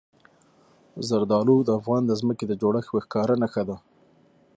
زردالو د افغانستان د ځمکې د جوړښت یوه ښکاره نښه ده.